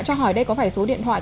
cho hỏi đây có phải số điện thoại